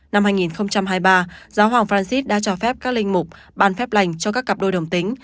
năm hai nghìn hai mươi ba giáo hoàng francis đã cho phép các linh mục bàn phép lành cho các cặp đôi đồng tính